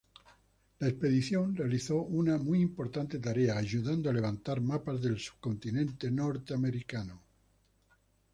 La expedición realizó una muy importante tarea ayudando a levantar mapas del subcontinente norteamericano.